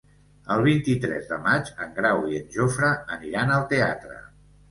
El vint-i-tres de maig en Grau i en Jofre aniran al teatre.